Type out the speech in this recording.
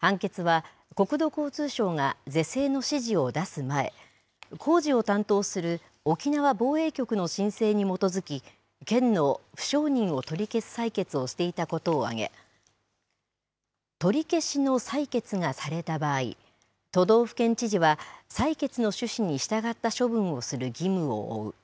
判決は国土交通省が是正の指示を出す前、工事を担当する沖縄防衛局の申請に基づき、県の不承認を取り消す裁決をしていたことを挙げ、取り消しの裁決がされた場合、都道府県知事は裁決の趣旨に従った処分をする義務を負う。